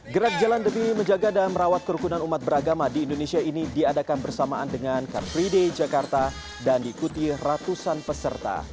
gerak jalan demi menjaga dan merawat kerukunan umat beragama di indonesia ini diadakan bersamaan dengan car free day jakarta dan diikuti ratusan peserta